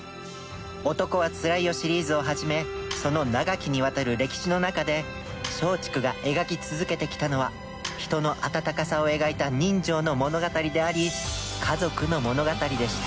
『男はつらいよ』シリーズを始めその長きにわたる歴史の中で松竹が描き続けてきたのは人の温かさを描いた人情の物語であり家族の物語でした。